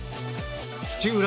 土浦